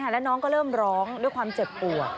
แล้วน้องก็เริ่มร้องด้วยความเจ็บปวด